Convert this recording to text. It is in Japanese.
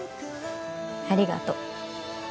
ありがとう